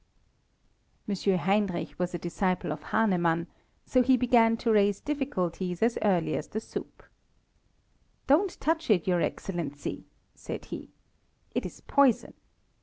Monsieur Heinrich was a disciple of Hahnemann, so he began to raise difficulties as early as the soup. "Don't touch it, your Excellency!" said he. "It is poison.